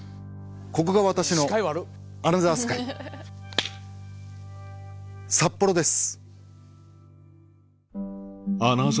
ここが私のアナザースカイ札幌です。